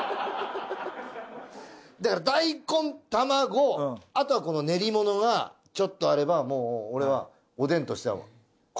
だから大根卵あとは練り物がちょっとあればもう俺はおでんとしては。